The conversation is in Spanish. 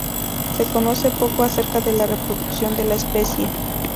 Se conoce poco acerca de la reproducción de la especie.